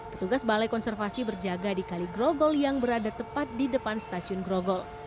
petugas balai konservasi berjaga di kaligrogol yang berada tepat di depan stasiun grogol